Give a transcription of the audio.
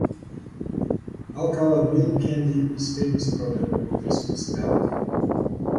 Alcala Milk Candy is a famous product of this municipality.